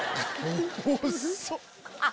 遅っ！